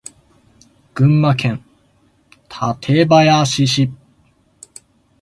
群馬県館林市